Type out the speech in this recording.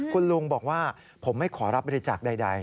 คุณลุงบอกว่าผมไม่ขอรับบริจาคใด